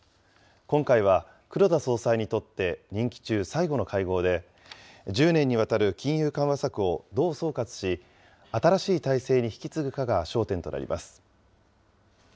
今回は黒田総裁にとって、任期中、最後の会合で、１０年にわたる金融緩和策をどう総括し、新しい体制に引き継ぐかが焦点となります。